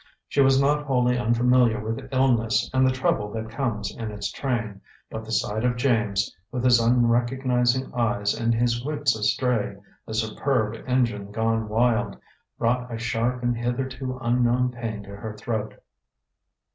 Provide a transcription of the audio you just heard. She was not wholly unfamiliar with illness and the trouble that comes in its train, but the sight of James, with his unrecognizing eyes and his wits astray, a superb engine gone wild, brought a sharp and hitherto unknown pain to her throat.